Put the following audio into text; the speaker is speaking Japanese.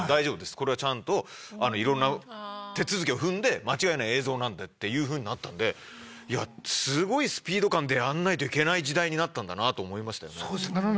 これはちゃんといろんな手続きを踏んで間違いない映像なんでっていうふうになったんですごいスピード感でやんないといけない時代になったんだなと思いましたよね。